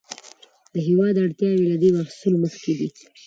د هېواد اړتیاوې له دې بحثونو مخکې دي.